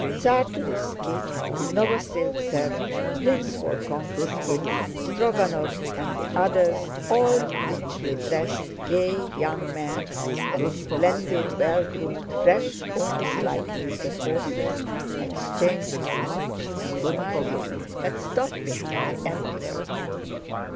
Czartorýski, Novosíltsev, Prince Volkónsky, Strógonov, and the others, all richly dressed gay young men on splendid, well groomed, fresh, only slightly heated horses, exchanging remarks and smiling, had stopped behind the Emperor.